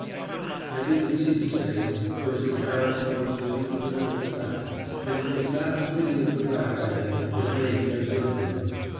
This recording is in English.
I didn't see his face, for as the carriage approached him, he turned his back, and it was that turning of the back, I think, that made me observe him.